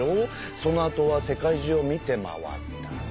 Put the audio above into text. そのあとは世界じゅうを見て回ったね。